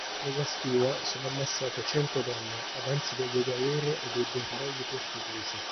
Nella stiva sono ammassate cento donne avanzi delle galere e dei bordelli portoghesi.